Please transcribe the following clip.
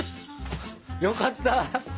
よかった。